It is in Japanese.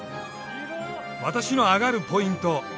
私のアガるポイント。